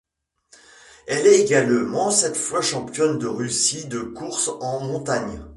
Elle est également sept fois championne de Russie de course en montagne.